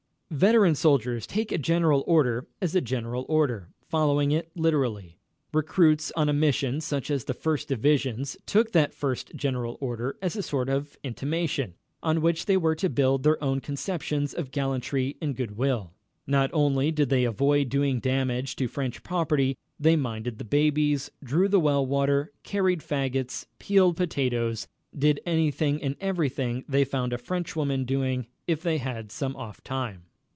Veteran soldiers take a general order as a general order, following it literally. Recruits on a mission such as the First Division's took that first general order as a sort of intimation, on which they were to build their own conceptions of gallantry and good will. Not only did they avoid doing damage to French property, they minded the babies, drew the well water, carried faggots, peeled potatoes did anything and everything they found a Frenchwoman doing, if they had some off time.